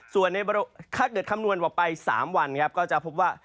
ส่วนในค้าเกิดคำนวณผ่านไป๓วันแค่ก็จะพบว่า